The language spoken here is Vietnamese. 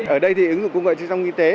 ở đây thì ứng dụng công nghệ truyền thông y tế